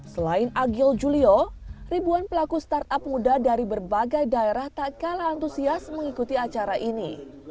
selain agil julio ribuan pelaku startup muda dari berbagai daerah tak kalah antusias mengikuti acara ini